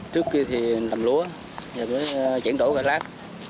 trước kia thì làm lúa giờ mới chuyển đổi vào lác